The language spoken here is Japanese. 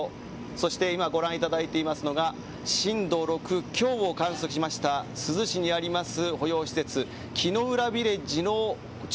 そして今ご覧いただいていますのが震度６強を観測しました珠洲市にあります